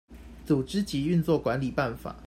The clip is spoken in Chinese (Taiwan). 組織及運作管理辦法